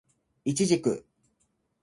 イチジク